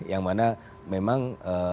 yang mana memang